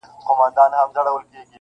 د هر چا به وي لاسونه زما ګرېوان کي-